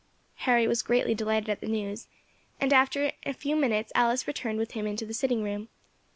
Harry was greatly delighted at the news, and after a few minutes Alice returned with him to the sitting room.